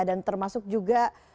dan termasuk juga